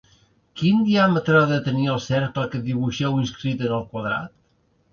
Quin diàmetre ha de tenir el cercle que dibuixeu inscrit en el quadrat?